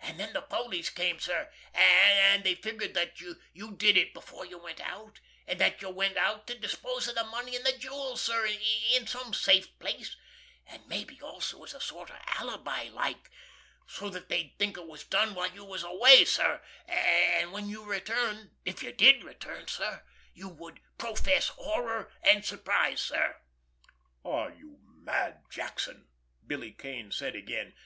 And then the police came, sir, and they figured that you did it before you went out, and that you went out to dispose of the money and jewels, sir, in some safe place, and maybe also as a sort of alibi like, so that they'd think it was done while you were away, sir, and that when you returned, if you did return, sir, you would profess horror and surprise, sir." "Are you mad, Jackson!" Billy Kane said again.